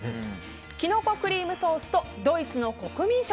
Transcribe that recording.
キノコクリームソース×ドイツの国民食！